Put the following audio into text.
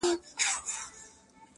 درد بايد درک کړل سي تل,